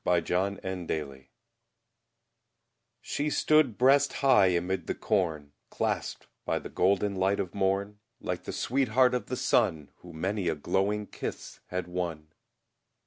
Thomas Hood Ruth SHE stood breast high amid the corn, Clasped by the golden light of morn, Like the sweetheart of the sun, Who many a glowing kiss had won.